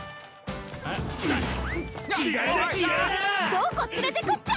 どこ連れてくっちゃ！